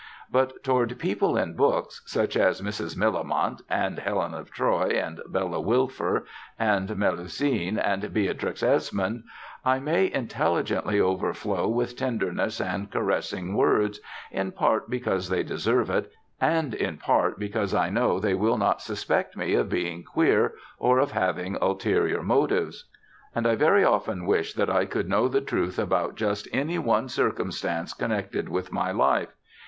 But toward people in books such as Mrs. Millamant, and Helen of Troy, and Bella Wilfer, and Mélusine, and Beatrix Esmond I may intelligently overflow with tenderness and caressing words, in part because they deserve it, and in part because I know they will not suspect me of being "queer" or of having ulterior motives.... And I very often wish that I could know the truth about just any one circumstance connected with my life....